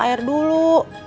masak air dulu